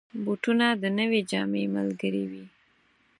بوټونه د نوې جامې ملګري وي.